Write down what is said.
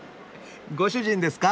ご主人ですか？